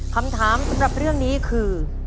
คำถามสำหรับเรื่องนี้คือ